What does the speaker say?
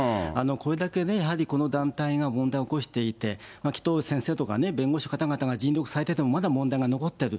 これだけやはりこの団体が問題を起こしていて、紀藤先生とかね、弁護士の方々が尽力されてても、まだ問題が残っている。